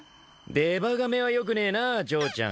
出歯亀はよくねえな嬢ちゃん。